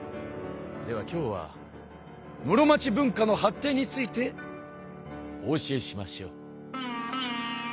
では今日は室町文化の発展についてお教えしましょう。